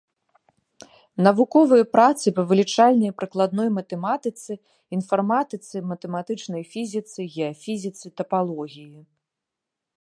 Навуковыя працы па вылічальнай і прыкладной матэматыцы, інфарматыцы, матэматычнай фізіцы, геафізіцы, тапалогіі.